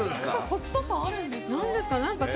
コツとかあるんですか？